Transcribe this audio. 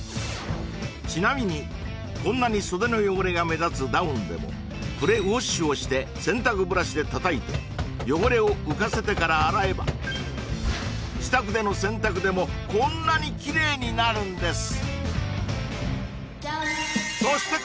ちなみにこんなに袖の汚れが目立つダウンでもプレウォッシュをして洗濯ブラシで叩いて汚れを浮かせてから洗えば自宅での洗濯でもこんなに綺麗になるんですそして